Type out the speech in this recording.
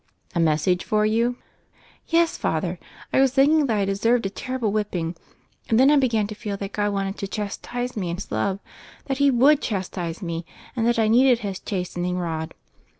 "A message for you?'; "Yes, Father; I was thinking that I deserved a terrible whipping. And then I began to feel that God wanted to chastise me in His love, that He would chastise me and that I needed His 'chastening rod.'